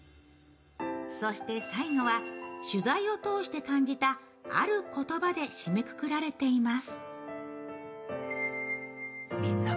そして最後は、取材を通して感じたある言葉で締めくくられています。